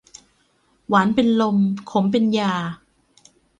หวานเป็นลมขมเป็นยา